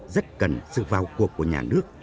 rất cần sự vào cuộc của nhà nước